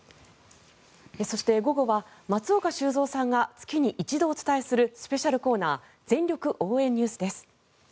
そして、午後は松岡修造さんが月に１度お伝えするスペシャルコーナー全力応援ＮＥＷＳです。